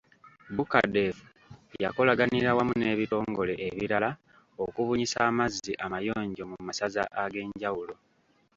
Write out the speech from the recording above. Bucadef yakolaganira wamu n'ebitongole ebirala okubunyisa amazzi amayonjo mu masaza ag’enjawulo.